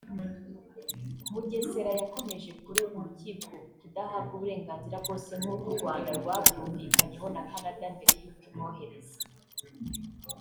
Mugesera yakomeje kurega urukiko kudahabwa uburenganzira bwose nk’uko u Rwanda rwabyumvikanyeho na Canada mbere y’uko imwohereza